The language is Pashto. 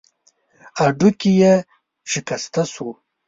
هډوکی يې شکسته شو.